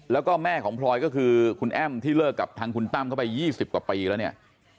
แล้วก็แม่ของพลอยก็คือคุณแอ้มที่เลิกกับทางคุณตั้มเข้าไป๒๐กว่าปีแล้วเนี่ย